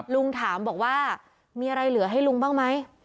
ลุงถามบอกว่ามีอะไรเหลือให้ลุงบ้างไหม